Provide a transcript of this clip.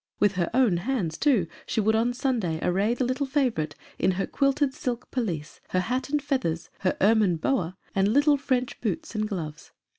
With her own hands, too, she would on Sun days array the little favorite in her quilted silk pelisse, her hat and feathers, her ermine boa, and little French boots and gloves.